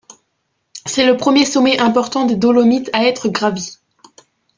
C'est le premier sommet important des Dolomites à être gravi.